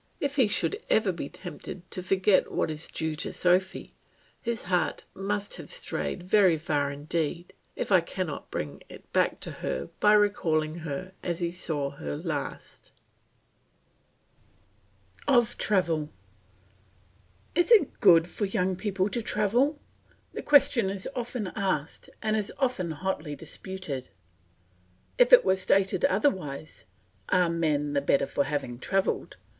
If he should ever be tempted to forget what is due to Sophy, his heart must have strayed very far indeed if I cannot bring it back to her by recalling her as he saw her last. OF TRAVEL Is it good for young people to travel? The question is often asked and as often hotly disputed. If it were stated otherwise Are men the better for having travelled?